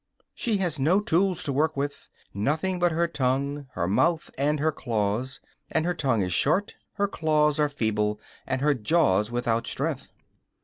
She has no tools to work with, nothing but her tongue, her mouth and her claws; and her tongue is short, her claws are feeble and her jaws without strength.